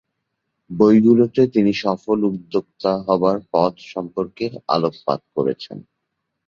বইগুলোতে তিনি সফল উদ্যোক্তা হবার পথ সম্পর্কে আলোকপাত করেছেন।